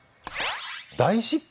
大失敗？